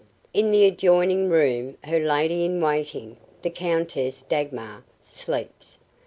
In the adjoining room her lady in waiting, the Countess Dagmar, sleeps.